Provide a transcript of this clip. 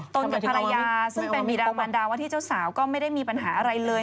ตรงกับฮะละยาซึ่งเป็นบีราวอมมาร์ดาวว่าที่เจ้าสาวก็ไม่ได้มีปัญหาอะไรเลย